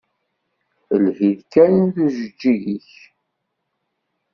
Lhi-d, kan d ujeǧǧiḍ-ik!